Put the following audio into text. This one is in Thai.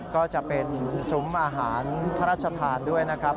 ก็จะเป็นซุ้มอาหารพระราชทานด้วยนะครับ